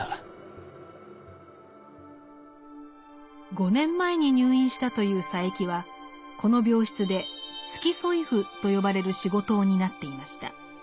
５年前に入院したという佐柄木はこの病室で「付添夫」と呼ばれる仕事を担っていました。